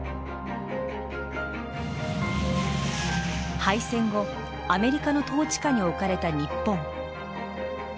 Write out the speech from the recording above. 敗戦後アメリカの統治下に置かれた日本。